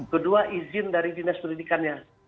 kedua izin dari dinas pendidikannya